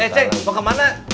eh ceng mau kemana